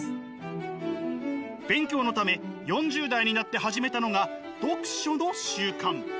勉強のため４０代になって始めたのが読書の習慣。